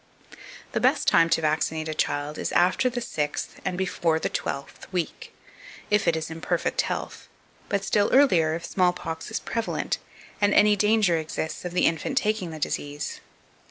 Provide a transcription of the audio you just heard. The best time to vaccinate a child is after the sixth and before the twelfth week, if it is in perfect health, but still earlier if small pox is prevalent, and any danger exists of the infant taking the disease.